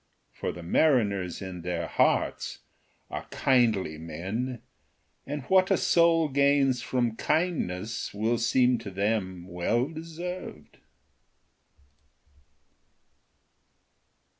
For the mariners in their hearts are kindly men, and what a soul gains from kindness will seem to them well deserved.